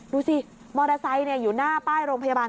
ดูสิมอเตอร์ไซค์อยู่หน้าป้ายโรงพยาบาล